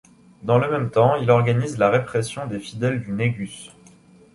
Dans le même temps, il organise la répression des fidèles du Négus.